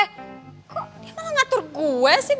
kok dia malah ngatur gue sih